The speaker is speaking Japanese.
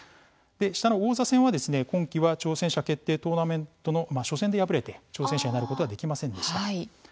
下の王座戦は今期は挑戦者決定トーナメントの初戦で敗れて挑戦者になることができませんでした。